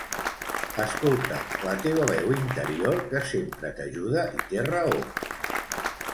Escolta la teva veu interior que sempre t'ajuda i té raó